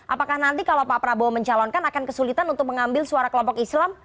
apakah nanti kalau pak prabowo mencalonkan akan kesulitan untuk mengambil suara kelompok islam